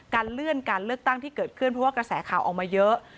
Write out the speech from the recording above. เลื่อนการเลือกตั้งที่เกิดขึ้นเพราะว่ากระแสข่าวออกมาเยอะ